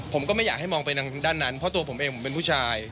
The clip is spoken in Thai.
ผมก็ไม่อยากให้มองไปทางด้านนั้นเพราะตัวผมเองผมเป็นผู้ชาย